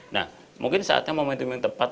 nah mungkin saatnya momen momen yang tepat